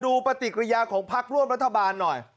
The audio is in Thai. ปฏิกิริยาของพักร่วมรัฐบาลหน่อย